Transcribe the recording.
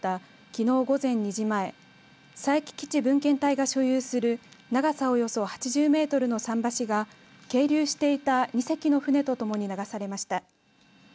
きのう午前２時前佐伯基地分遣隊が所有する長さおよそ８０メートルの桟橋が係留していた２隻の船とともに流されました。